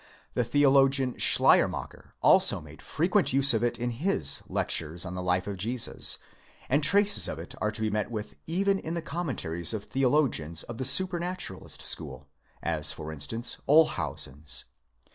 The theologian Schleiermacher also made frequent use of it in his Lectures on the Life of Jesus ; and. traces of it are to be met with even in the commen taries of theologians of the supernaturalist school— as, for instance, Olshausen's.